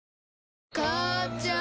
母ちゃん